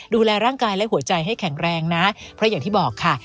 ดูแลร่างกายและหัวใจให้แข็งแรงนะเพราะอย่างที่บอกค่ะ